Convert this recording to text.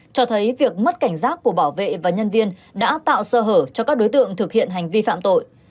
cho thấy việc mất cảnh giác của bảo vệ và nhân viên đã tạo sơ hở cho các đối tượng thực hiện hành vi phạm tội